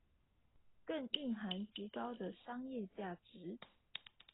更蘊含極高的商業價值